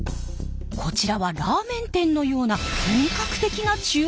こちらはラーメン店のような本格的なちゅう房ですが。